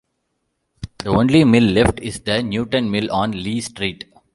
The only mill left is the Newtown Mill on Lees Street.